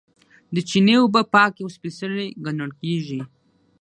د چینې اوبه پاکې او سپیڅلې ګڼل کیږي.